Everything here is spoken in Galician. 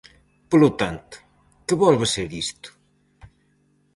Polo tanto, ¿que volve ser isto?